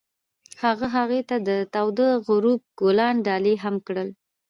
هغه هغې ته د تاوده غروب ګلان ډالۍ هم کړل.